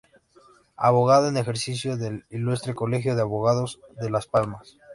Abogado en ejercicio del Ilustre Colegio de Abogados de Las Palmas.